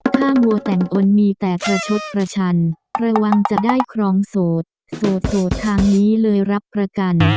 ถ้าวัวแต่งอนมีแต่ประชดประชันระวังจะได้ครองโสดโสดโสดทางนี้เลยรับประกัน